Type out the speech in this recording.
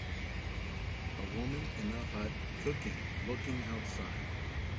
A woman in a hut cooking looking outside.